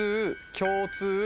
共通。